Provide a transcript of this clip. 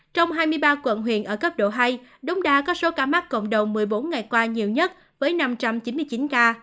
trong hai mươi ba quận huyện ở cấp độ hai đống đa có số ca mắc cộng đồng một mươi bốn ngày qua nhiều nhất với năm trăm chín mươi chín ca